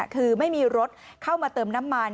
คือไม่มีรถเข้ามาเติมน้ำมัน